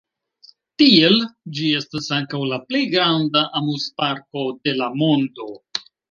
Tiel, ĝi estas ankaŭ la plej granda amuzparko de la mondo.